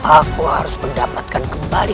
aku harus mendapatkan kembali